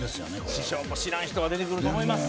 師匠も知らん人が出てくると思います